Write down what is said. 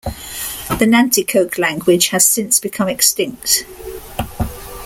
The Nanticoke language has since become extinct.